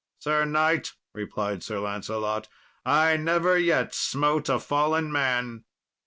"Sir knight," replied Sir Lancelot, "I never yet smote a fallen man."